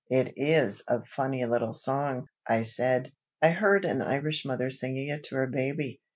"It is a funny little song," I said. "I heard an Irish mother singing it to her baby.